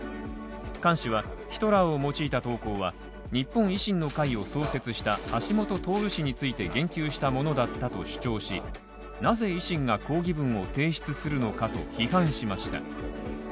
菅氏はヒトラーを用いた投稿は日本維新の会を創設した橋下徹氏について言及したものだったと主張し、なぜ維新が抗議文を提出するのかと批判しました。